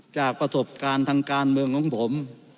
จากประสบการณ์ทางการเมืองของผม